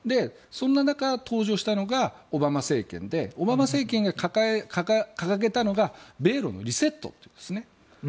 そんな中、登場したのがオバマ政権でオバマ政権が掲げたのが米ロのリセットなんですね。